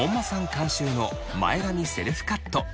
監修の前髪セルフカット。